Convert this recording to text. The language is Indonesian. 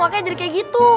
makanya jadi kayak gitu